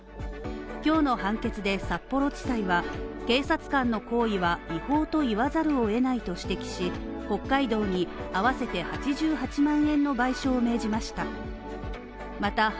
今日の判決で札幌地裁は、警察官の行為は違法と言わざるをえないと指摘し北海道に合わせて８８万円の賠償を命じました。